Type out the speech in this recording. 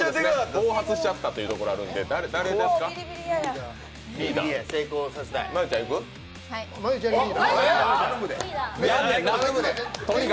暴発しちゃったというところがあるので、誰がやりますか？